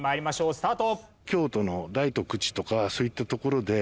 スタート。